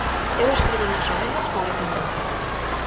Eu escribín as novelas con esa intención.